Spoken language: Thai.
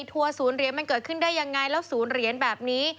ทัวร์ศูนย์เหรียญมันเกิดขึ้นได้ยังไงแล้วศูนย์เหรียญแบบนี้